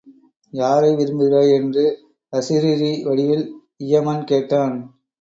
யாரை விரும்புகிறாய் என்று அசரீரி வடிவில் இயமன் கேட்டான்.